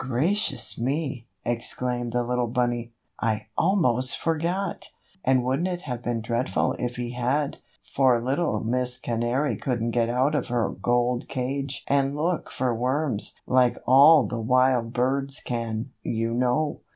"Gracious me!" exclaimed the little bunny, "I almost forgot!" And wouldn't it have been dreadful if he had, for little Miss Canary couldn't get out of her gold cage and look for worms like all the wild birds can, you know.